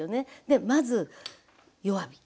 でまず弱火。